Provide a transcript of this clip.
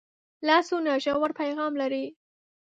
لاسونه ژور پیغام لري